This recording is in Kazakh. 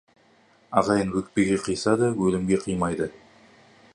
Ағайын өкпеге қиса да, өлімге қимайды.